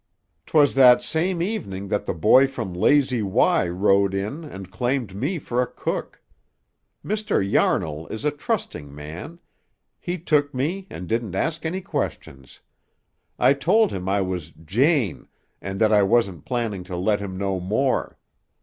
'T was that same evening that the boy from Lazy Y rode in and claimed me for a cook. Mr. Yarnall is a trusting man. He took me and didn't ask any questions. I told him I was 'Jane' and that I wasn't planning to let him know more.